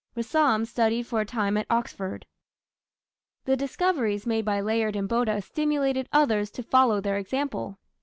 Rassam studied for a time at Oxford. The discoveries made by Layard and Botta stimulated others to follow their example.